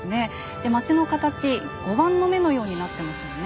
で町の形碁盤の目のようになってますよね。